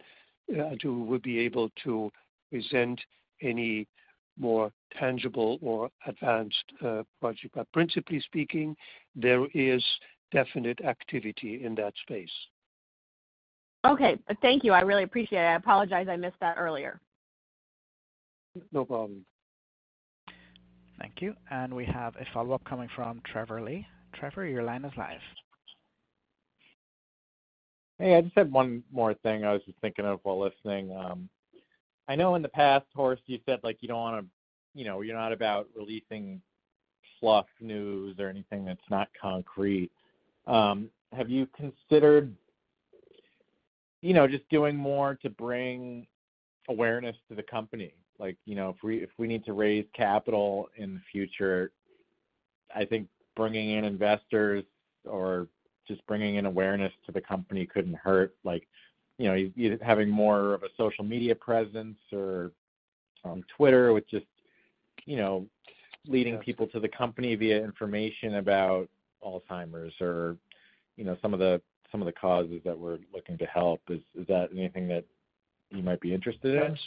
until we'll be able to present any more tangible or advanced project. Principally speaking, there is definite activity in that space.
Okay. Thank you. I really appreciate it. I apologize I missed that earlier.
No problem.
Thank you. We have a follow-up coming from Trevor Lee. Trevor, your line is live.
Hey, I just had one more thing I was just thinking of while listening. I know in the past, Horst, you said, like, you don't wanna, you know, you're not about releasing fluff news or anything that's not concrete. Have you considered, you know, just doing more to bring awareness to the company? Like, you know, if we need to raise capital in the future, I think bringing in investors or just bringing in awareness to the company couldn't hurt. Like, you know, either having more of a social media presence or on Twitter with just, you know, leading people to the company via information about Alzheimer's or, you know, some of the causes that we're looking to help. Is that anything that you might be interested in?
Yes.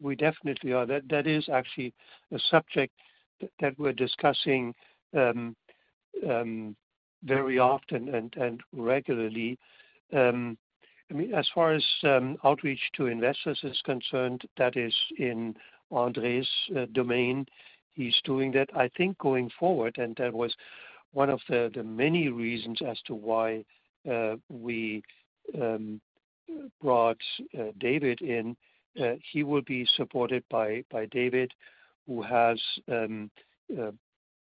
We definitely are. That is actually a subject that we're discussing very often and regularly. I mean, as far as outreach to investors is concerned, that is in Andre's domain. He's doing that. I think going forward, and that was one of the many reasons as to why we brought David in, he will be supported by David, who has a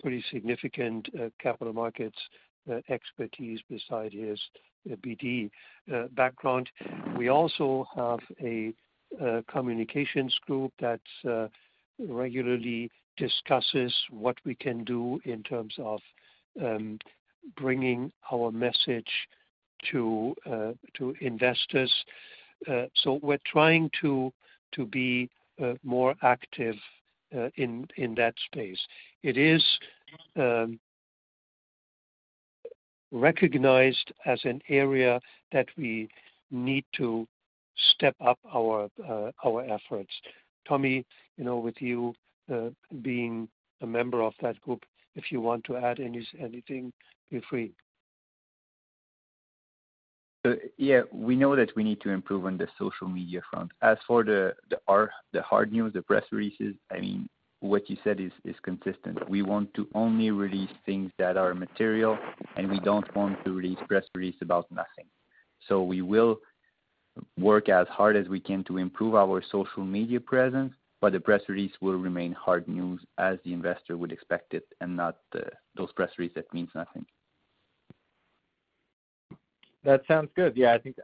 pretty significant capital markets expertise beside his BD background. We also have a communications group that regularly discusses what we can do in terms of bringing our message to investors. We're trying to be more active in that space. It is recognized as an area that we need to step up our efforts. Tommy, you know, with you, being a member of that group, if you want to add anything, feel free.
Yeah, we know that we need to improve on the social media front. As for the hard news, the press releases, I mean, what you said is consistent. We want to only release things that are material, and we don't want to release press release about nothing. We will work as hard as we can to improve our social media presence, but the press release will remain hard news as the investor would expect it and not those press release that means nothing.
That sounds good. I think,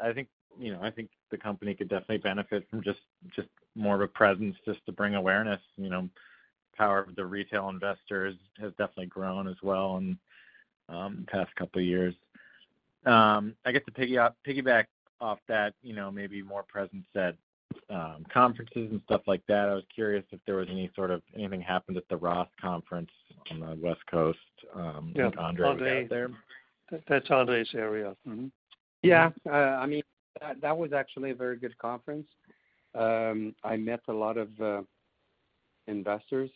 you know, I think the company could definitely benefit from just more of a presence just to bring awareness. You know, power of the retail investors has definitely grown as well in past couple of years. I guess to piggyback off that, you know, maybe more presence at conferences and stuff like that. I was curious if there was any sort of anything happened at the ROTH Conference on the West Coast.
Yeah.
Andre was out there.
That's Andre's area. Mm-hmm.
I mean, that was actually a very good conference. I met a lot of investors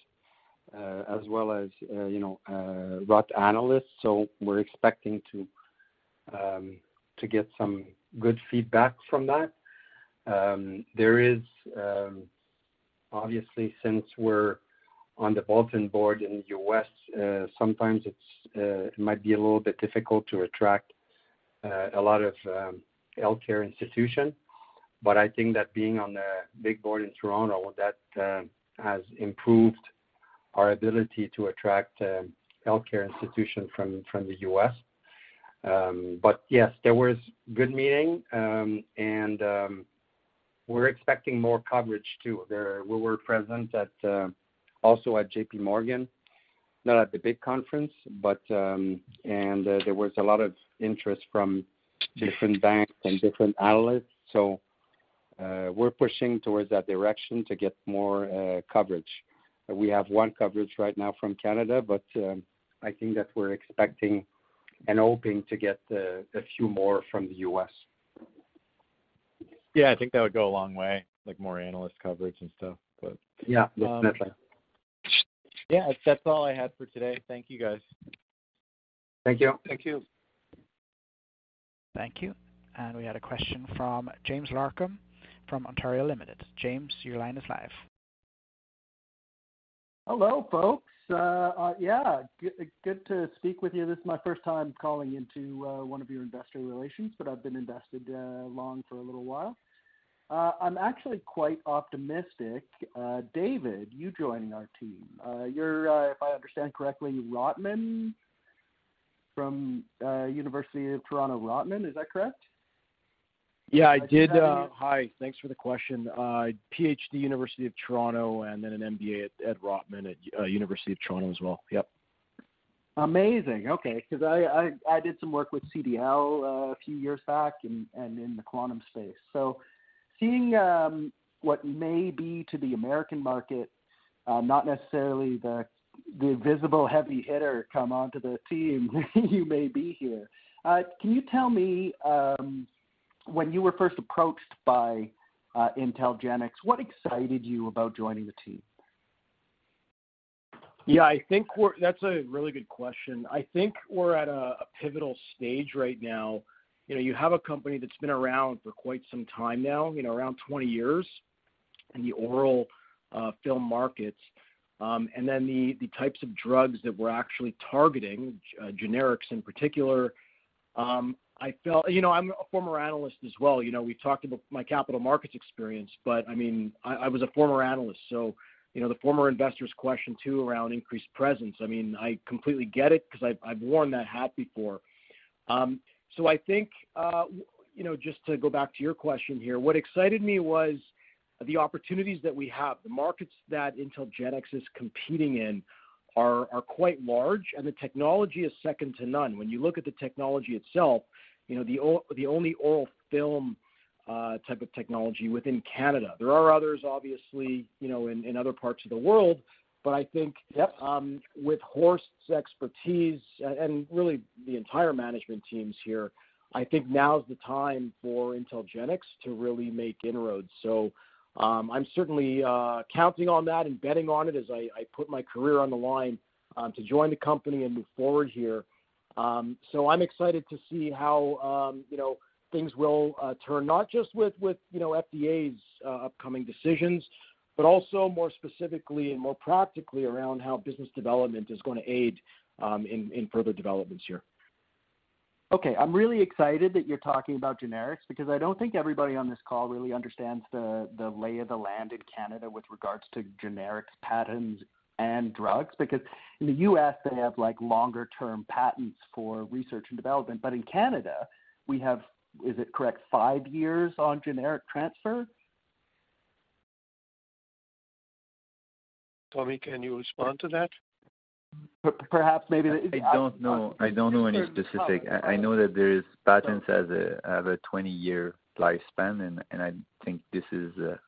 as well as you know, ROTH analysts. We're expecting to get some good feedback from that. There is. Obviously, since we're on the bulletin board in U.S., sometimes it's it might be a little bit difficult to attract a lot of healthcare institution. I think that being on the big board in Toronto, that has improved our ability to attract healthcare institution from the U.S. Yes, there was good meeting and we're expecting more coverage too. We were present at also at JPMorgan, not at the big conference, but and there was a lot of interest from different banks and different analysts. We're pushing towards that direction to get more coverage. We have 1 coverage right now from Canada, but I think that we're expecting and hoping to get a few more from the U.S.
Yeah. I think that would go a long way, like more analyst coverage and stuff but.
Yeah, definitely.
Yeah. That's all I had for today. Thank you, guys.
Thank you.
Thank you.
Thank you. We had a question from James Larkham from Ontario Limited. James, your line is live.
Hello, folks. yeah, good to speak with you. This is my first time calling into one of your investor relations, but I've been invested long for a little while. I'm actually quite optimistic. David, you joining our team. you're, if I understand correctly, Rotman from University of Toronto Rotman. Is that correct?
Yeah, I.
Is that you?
Hi. Thanks for the question. PhD, University of Toronto, and then an MBA at Rotman at University of Toronto as well. Yep.
Amazing. Okay. Cause I did some work with CDL a few years back and in the quantum space. Seeing what may be to the American market, not necessarily the visible heavy hitter come onto the team you may be here. Can you tell me when you were first approached by IntelGenx, what excited you about joining the team?
Yeah. I think That's a really good question. I think we're at a pivotal stage right now. You know, you have a company that's been around for quite some time now, you know, around 20 years, in the oral film markets. The types of drugs that we're actually targeting, generics in particular, You know, I'm a former analyst as well, you know, we talked about my capital markets experience, I mean, I was a former analyst, you know, the former investor's question too around increased presence, I mean, I completely get it 'cause I've worn that hat before. I think you know, just to go back to your question here, what excited me was the opportunities that we have. The markets that IntelGenx is competing in are quite large and the technology is second to none. When you look at the technology itself, you know, the only oral film type of technology within Canada. There are others obviously, you know, in other parts of the world, but I think-
Yep.
With Horst's expertise and really the entire management teams here, I think now's the time for IntelGenx to really make inroads. I'm certainly counting on that and betting on it as I put my career on the line to join the company and move forward here. I'm excited to see how, you know, things will turn not just with, you know, FDA's upcoming decisions, but also more specifically and more practically around how business development is gonna aid in further developments here.
I'm really excited that you're talking about generics because I don't think everybody on this call really understands the lay of the land in Canada with regards to generics, patents and drugs. In the US they have like longer term patents for research and development, but in Canada we have, is it correct, five years on generic transfer?
Tommy, can you respond to that?
Perhaps.
I don't know. I don't know any specific. I know that there's patents have a 20-year lifespan and I think this is the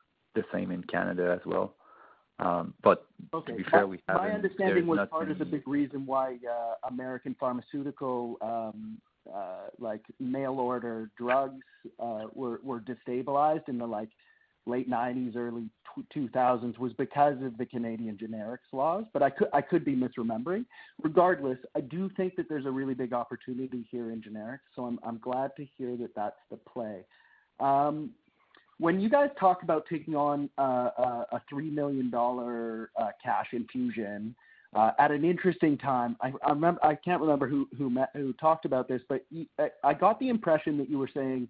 same in Canada as well.
Okay.
To be fair, we haven't. There's nothing.
My understanding was part of the big reason why American pharmaceutical like mail order drugs were destabilized in the like late 1990s, early 2000s was because of the Canadian generics laws, but I could be misremembering. Regardless, I do think that there's a really big opportunity here in generics, so I'm glad to hear that that's the play. When you guys talk about taking on a $3 million cash infusion at an interesting time, I can't remember who talked about this, but I got the impression that you were saying,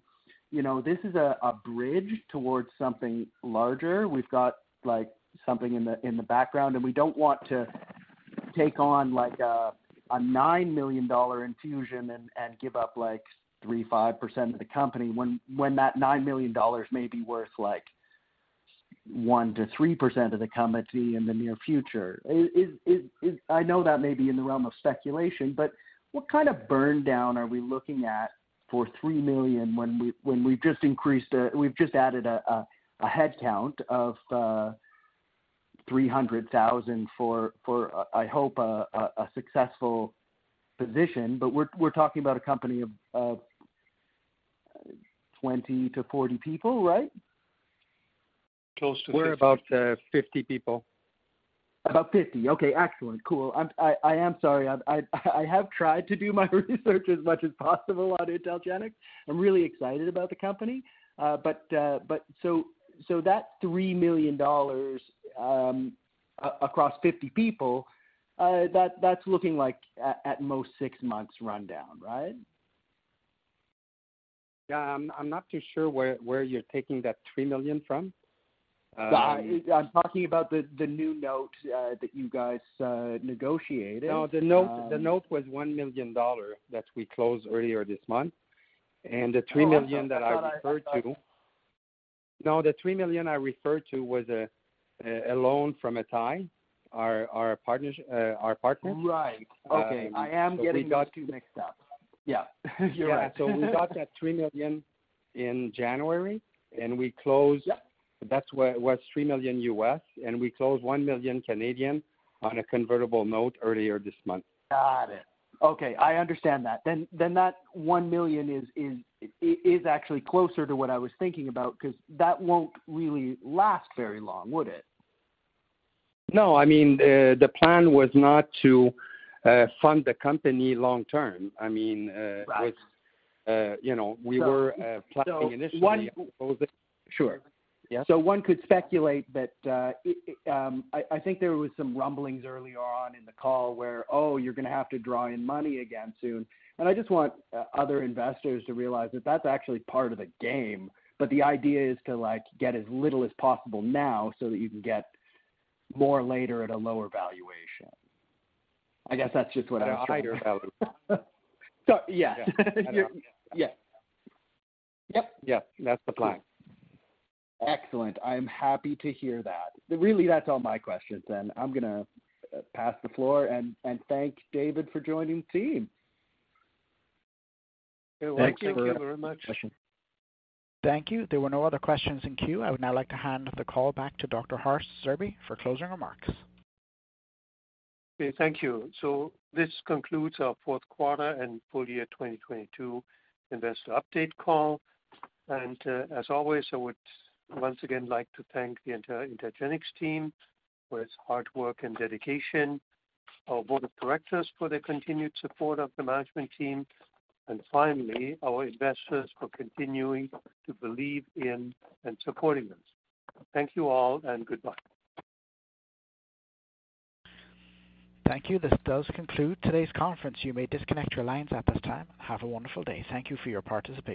you know, this is a bridge towards something larger. We've got like something in the background, and we don't want to take on like a $9 million infusion and give up like 3%-5% of the company when that $9 million may be worth like 1%-3% of the company in the near future. Is I know that may be in the realm of speculation, but what kind of burn down are we looking at for $3 million when we've just added a headcount of $300,000 for I hope a successful position? We're talking about a company of 20 people-40 people, right?
Close to 50.
We're about, 50 people.
About 50. Okay, excellent. Cool. I am sorry. I have tried to do my research as much as possible on IntelGenx. I am really excited about the company. That $3 million across 50 people, that's looking like at most 6 months run down, right?
Yeah. I'm not too sure where you're taking that $3 million from.
I'm talking about the new note that you guys negotiated.
No, the note was $1 million dollar that we closed earlier this month. The $3 million that I referred to.
I thought-
No. The $3 million I referred to was a loan from atai, our partners.
Right. Okay.
We got-
I am getting these two mixed up. Yeah. You're right.
Yeah. We got that $3 million in January, and we closed.
Yeah.
That's was $3 million, and we closed 1 million on a convertible note earlier this month.
Got it. Okay, I understand that. That 1 million is actually closer to what I was thinking about because that won't really last very long, would it?
No. I mean, the plan was not to fund the company long term.
Right.
It's, you know, we were planning initially...
So one-
Sure. Yeah.
One could speculate that, it... I think there was some rumblings earlier on in the call where, "Oh, you're gonna have to draw in money again soon." I just want other investors to realize that that's actually part of the game. The idea is to like get as little as possible now so that you can get more later at a lower valuation. I guess that's just what I'm trying to.
That's right.
Yeah.
Yeah. I know.
Yeah. Yep.
Yeah. That's the plan.
Excellent. I'm happy to hear that. Really, that's all my questions then. I'm gonna pass the floor and thank David for joining the team.
You're welcome.
Thank you very much.
Thanks for the question.
Thank you. There were no other questions in queue. I would now like to hand the call back to Dr. Horst Zerbe for closing remarks.
Thank you. This concludes our fourth quarter and full year 2022 investor update call. As always, I would once again like to thank the entire IntelGenx team for its hard work and dedication, our board of directors for their continued support of the management team, and finally, our investors for continuing to believe in and supporting us. Thank you all and goodbye.
Thank you. This does conclude today's conference. You may disconnect your lines at this time. Have a wonderful day. Thank you for your participation.